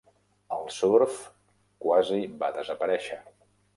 El surf quasi va desaparèixer.